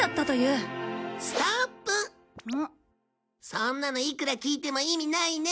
そんなのいくら聞いても意味ないね。